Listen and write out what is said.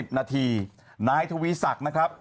ผมป่วยอยู่นะ